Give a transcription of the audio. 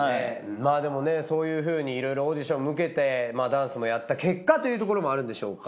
まあでもねそういうふうにいろいろオーディションも受けてダンスもやった結果というところもあるんでしょうか。